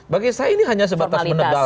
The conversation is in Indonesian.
bagi saya ini hanya sebatas menebal